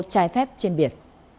trái phép trên biển